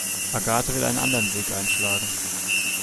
Agathe will einen anderen Weg einschlagen.